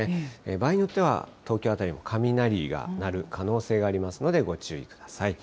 場合によっては、東京辺りも雷が鳴る可能性がありますので、ご注意ください。